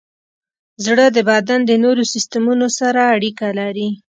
زړه د بدن د نورو سیستمونو سره اړیکه لري.